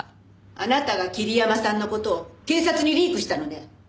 あなたが桐山さんの事を警察にリークしたのね？